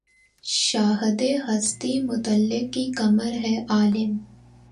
شاہدِ ہستیِ مطلق کی کمر ہے‘ عالم